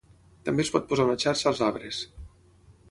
També es pot posar una xarxa als arbres.